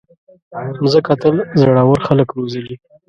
مځکه تل زړور خلک روزلي.